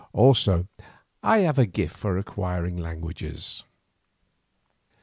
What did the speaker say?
Also I have a gift for the acquiring of languages.